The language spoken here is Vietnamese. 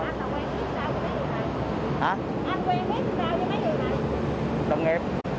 anh quen biết sao với mấy người này